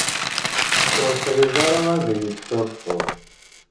Ur trid ara ad iyi-tesserfud.